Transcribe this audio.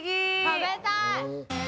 食べたい」